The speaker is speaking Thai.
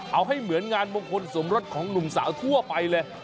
เอาให้เหมือนงานมงคลสมรสของหนุ่มสาวทั่วไปเลย